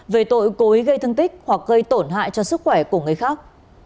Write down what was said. về tội cố ý gây thương tích hoặc gây tổn hại cho sức khỏe của người khác